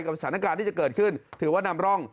สถานการณ์ที่จะเกิดขึ้นถือว่านำร่อง